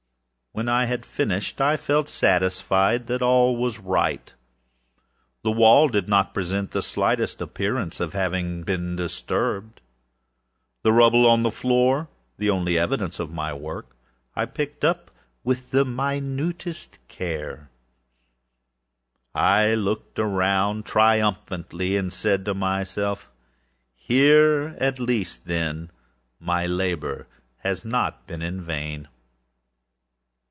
When I had finished, I felt satisfied that all was right. The wall did not present the slightest appearance of having been disturbed. The rubbish on the floor was picked up with the minutest care. I looked around triumphantly, and said to myself: âHere at least, then, my labor has not been in vain.